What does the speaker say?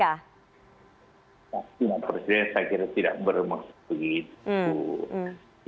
pasti pak presiden saya kira tidak bermaksud begitu